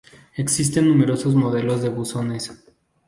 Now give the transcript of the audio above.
Existen numerosos modelos de buzones.